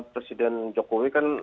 presiden jokowi kan